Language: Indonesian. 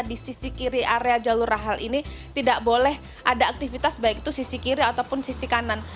di sisi kiri area jalur halal ini tidak boleh ada aktivitas baik itu sisi kiri ataupun sisi kanan